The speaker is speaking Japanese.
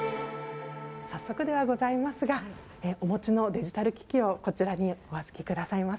早速ではございますが、お持ちのデジタル機器をこちらにお預けくださいませ。